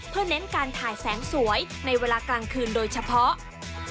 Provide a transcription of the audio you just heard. เพื่อเน้นการถ่ายแสงสวยในเวลากลางคืนโดยเฉพาะ